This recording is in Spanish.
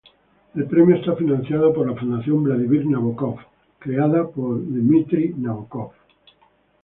El premio está financiado por la Fundación Vladimir Nabokov, creada por Dmitri Nabokov.